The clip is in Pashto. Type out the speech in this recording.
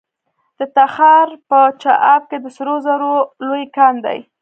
د تخار په چاه اب کې د سرو زرو لوی کان دی.